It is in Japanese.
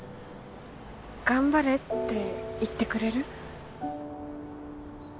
頑張れって言ってくれる？